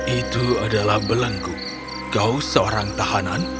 itu adalah belenggu kau seorang tahanan